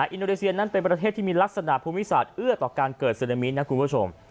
อินโดนีเซียนั้นเป็นประเทศที่มีลักษณะภูมิศาสตร์เอื้อต่อการเกิดซึนามินะคุณผู้ชม